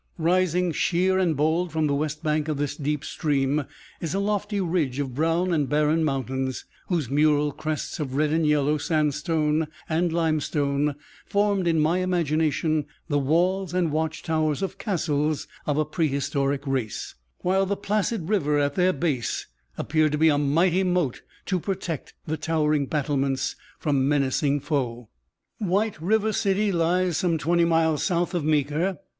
Rising sheer and bold from the west bank of this deep stream, is a lofty ridge of brown and barren mountains, whose mural crests of red and yellow sandstone and limestone formed in my imagination the walls and watch towers of castles of a prehistoric race, while the placid river at their base appeared to be a mighty moat to protect the towering battlements from menacing foe. White River City lies some twenty miles south of Meeker.